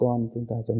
rất là lớn